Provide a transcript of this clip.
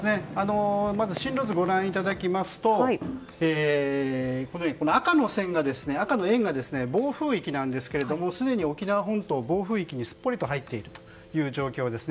まず進路図をご覧いただきますと赤の円が暴風域なんですがすでに沖縄本島が暴風域にすっぽり入っている状況です。